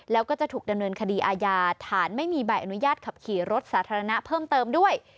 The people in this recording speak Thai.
แล้วก็จะถูกดำเนินคดีอาญาฐานไม่มีใบอนุญาตขับขี่รถสาธารณะเพิ่มเติมด้วย